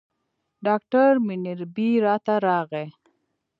ډاکټر منیربې راته راغی.